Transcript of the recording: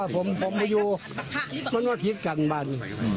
ผมก็อยู่ทรีพกันบ้าง